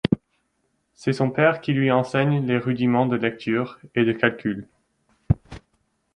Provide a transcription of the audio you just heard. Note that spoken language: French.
C'est son père qui lui enseigne les rudiments de lecture et de calcul.